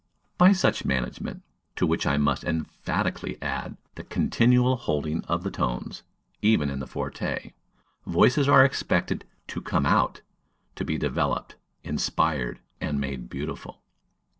By such management, to which I must emphatically add the continual holding of the tones, even in the forte, voices are expected "to come out," to be developed, inspired, and made beautiful.